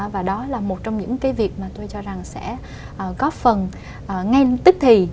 và đó là một trong những cái việc mà tôi cho rằng sẽ góp phần ngay tức thì